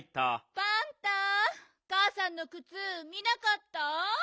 パンタかあさんのくつ見なかった？